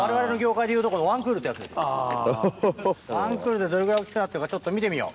１クールでどれぐらい大きくなってるかちょっと見てみよう。